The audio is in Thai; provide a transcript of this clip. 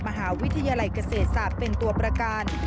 มหาวิทยาลัยเกษตรศาสตร์เป็นตัวประกัน